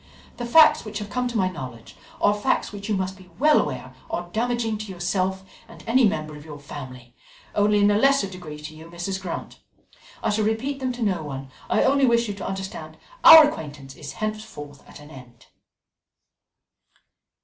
The facts which have come to my knowledge are facts which you must be well aware are damaging to yourself and any member of your family only in a lesser degree to you, Mrs. Grant. I shall repeat them to no one. I only wish you to understand our acquaintance is henceforth at an end."